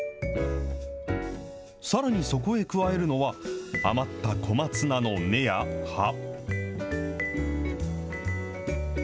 さらにそこへ加えるのは、余った小松菜の根や葉。